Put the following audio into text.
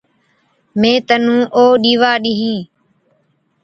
مين تنُون او ڏِيوا ڏِيهِين۔